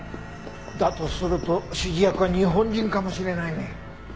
だとすると指示役は日本人かもしれないね。